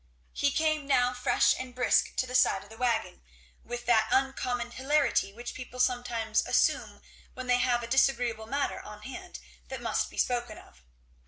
He came now fresh and brisk to the side of the wagon, with that uncommon hilarity which people sometimes assume when they have a disagreeable matter on hand that must be spoken of.